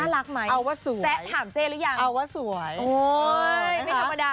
น่ารักไหมเอาว่าสวยแซะถามเจ๊หรือยังเอาว่าสวยโอ้ยไม่ธรรมดาเลย